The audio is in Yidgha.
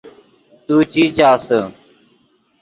تو چی چاسے